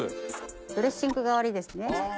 ドレッシング代わりですね。